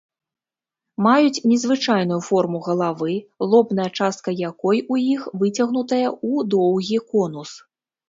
Маюць незвычайную форму галавы, лобная частка якой у іх выцягнутая ў доўгі конус.